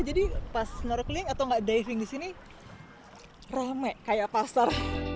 jadi pas snorkeling atau ngga diving di sini rame kayak pasar